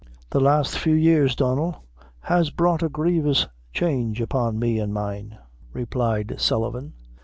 "The last few years, Donnel, has brought a grievous change, upon me and mine," replied Sullivan.